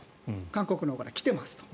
韓国のほうから来てますと。